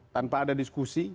tanpa ada diskusi